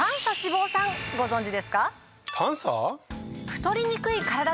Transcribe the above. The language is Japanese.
ご存じですか？